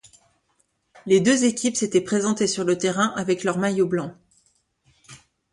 Les deux équipes s’étaient présentées sur le terrain avec leur maillot blanc.